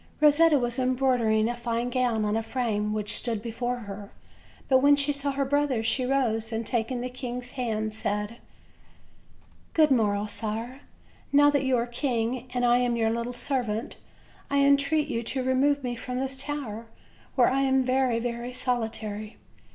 Rosetta was embroidering a fine gown on a frame which stood before her, but when she saw her brothers she rose, and, taking the king's hand, said: "Good morrow, sire; now that you are king, and I am your little servant, I entreat you to remove me from this tower, where I am very, very solitary."